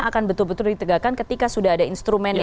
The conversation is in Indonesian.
akan betul betul ditegakkan ketika sudah ada instrumen yang